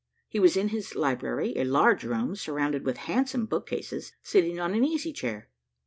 He was in his library, a large room, surrounded with handsome bookcases, sitting on an easy chair.